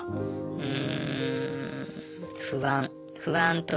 うん。